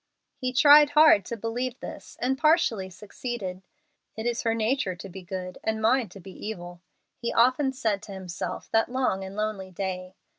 He tried hard to believe this, and partially succeeded. "It is her nature to be good, and mine to be evil," he often said to himself that long and lonely day.